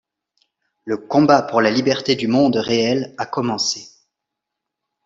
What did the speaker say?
Le combat pour la liberté du monde réel a commencé...